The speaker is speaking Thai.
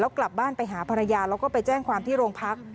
กลับบ้านไปหาภรรยาแล้วก็ไปแจ้งความที่โรงพัก